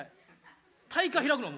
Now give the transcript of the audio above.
大会開くの？